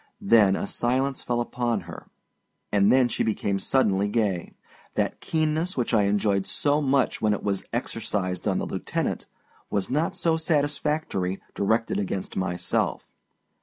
Then a silence fell upon her; and then she became suddenly gay. That keenness which I enjoyed so much when it was exercised on the lieutenant was not so satisfactory directed against myself.